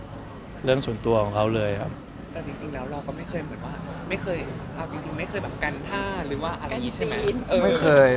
แต่จริงแล้วเราก็ไม่เคยกันท่าหรือว่าอะไรใช่ไหม